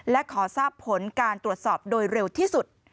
และขอทราบผลการตรวจสอบโดยเร็วที่สุด